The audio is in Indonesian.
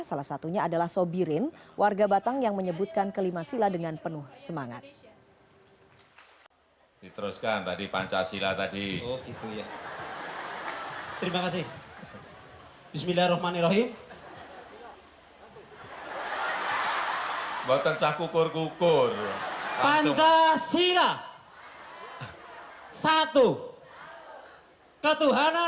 salah satunya adalah sobirin warga batang yang menyebutkan kelima sila dengan penuh semangat